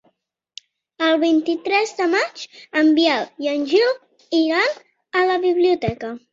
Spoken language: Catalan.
El vint-i-tres de maig en Biel i en Gil iran a la biblioteca.